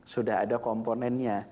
sudah ada komponennya